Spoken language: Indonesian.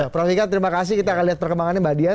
prasika terimakasih kita akan lihat perkembangannya mbak dian